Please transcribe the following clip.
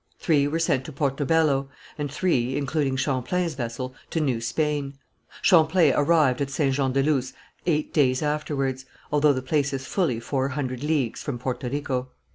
Three were sent to Porto Bello, and three, including Champlain's vessel, to New Spain. Champlain arrived at Saint Jean de Luz eight days afterwards, although the place is fully four hundred leagues from Porto Rico.